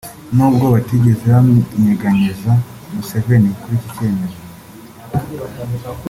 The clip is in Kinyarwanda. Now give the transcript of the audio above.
n’ubwo batigeze banyeganyeza Museveni kuri iki cyemezo